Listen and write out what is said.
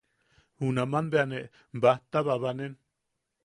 Junaman bea ne bajta babanen.